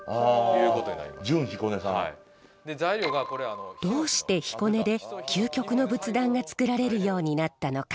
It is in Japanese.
おお。どうして彦根で究極の仏壇が作られるようになったのか？